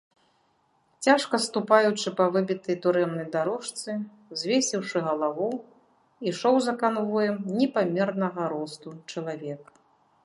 Цяжка ступаючы па выбітай турэмнай дарожцы, звесіўшы галаву, ішоў за канвоем непамернага росту чалавек.